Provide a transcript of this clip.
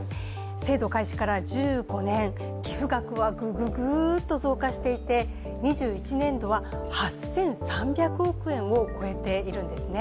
制度開始から１５年、寄付額はぐぐぐっと増加していて、２１年度は８３００億円を超えているんですね。